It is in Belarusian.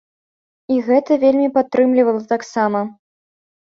І гэта вельмі падтрымлівала таксама.